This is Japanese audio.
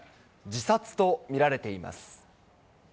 自殺と見られています。